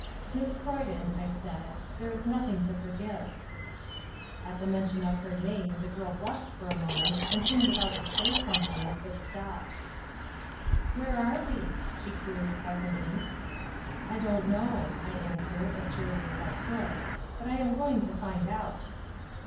"Miss Croyden," I said, "there is nothing to forgive." At the mention of her name the girl blushed for a moment and seemed about to say something, but stopped. "Where are we?" she queried presently. "I don't know," I answered, as cheerily as I could, "but I am going to find out."